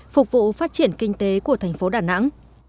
phục vụ phát triển kinh tế của tp đà nẵng